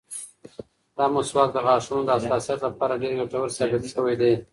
دا مسواک د غاښونو د حساسیت لپاره ډېر ګټور ثابت شوی دی.